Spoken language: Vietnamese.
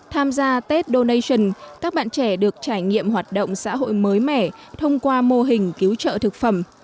tham gia tết donation các bạn trẻ được trải nghiệm hoạt động xã hội mới mẻ thông qua mô hình cứu trợ thực phẩm